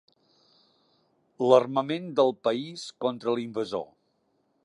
L'armament del país contra l'invasor.